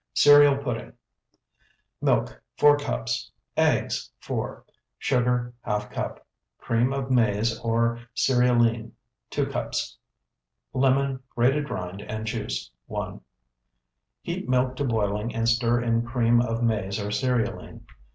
CEREAL PUDDING Milk, 4 cups. Eggs, 4. Sugar, ½ cup. Cream of maize, or cerealine, 2 cups. Lemon, grated rind and juice, 1. Heat milk to boiling and stir in cream of maize or cerealine.